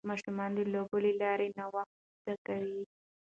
ماشومان د لوبو له لارې نوښت زده کوي.